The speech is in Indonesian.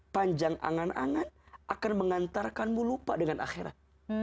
panjang angan angan akan mengantarkanmu lupa dengan akhirat